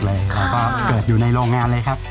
แล้วก็เกิดอยู่ในโรงงานเลยครับ